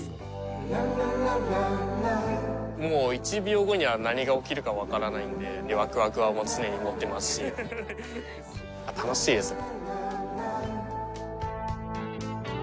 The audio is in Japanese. もう１秒後には何が起きるかわからないのでワクワクは常に持っていますし楽しいですね。